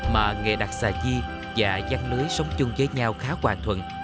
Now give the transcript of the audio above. mà nghề đặt xà chi và giăng lưới sống chung với nhau khá hòa thuận